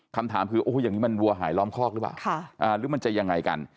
คำถามคือโอ้โหอย่างนี้มันวัวหายล้อมคอกหรือเปล่าหรือมันจะยังไงกัน